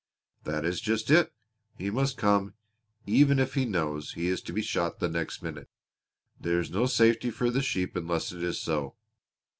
"That is just it! He must come even if he knows he is to be shot the next minute. There is no safety for the sheep unless it is so.